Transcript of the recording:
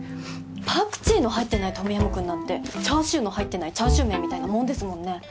パクチーの入ってないトムヤムクンなんてチャーシューの入ってないチャーシュー麺みたいなもんですもんね。